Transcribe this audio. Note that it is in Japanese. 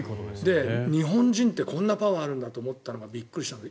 日本人ってこんなにパワーがあるんだと思ったってびっくりしたと。